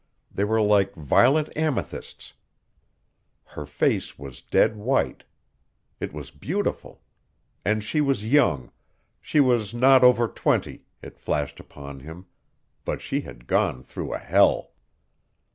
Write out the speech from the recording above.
They were like violet amethysts. Her face was dead white. It was beautiful. And she was young. She was not over twenty, it flashed upon him but she had gone through a hell.